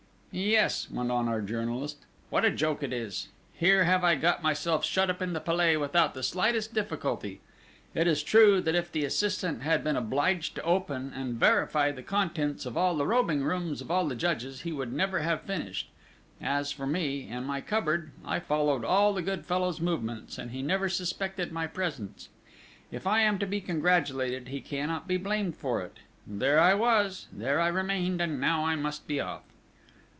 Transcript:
"Yes," went on our journalist, "what a joke it is! Here have I got myself shut up in the Palais without the slightest difficulty! It is true, that if the assistant had been obliged to open, and verify, the contents of all the robing rooms of all the judges, he would never have finished. As for me, in my cupboard, I followed all the good fellow's movements, and he never suspected my presence. If I am to be congratulated, he cannot be blamed for it! There I was, there I remained, and now I must be off!"